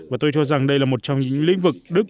và tôi cho rằng đây là một trong những lĩnh vực đức